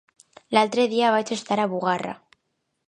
L'altre dia vaig estar a Bugarra.